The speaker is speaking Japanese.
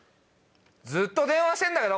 ずっと電話してんだけど？